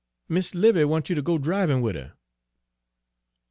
"Mis' 'Livy wants you ter go drivin' wid 'er!"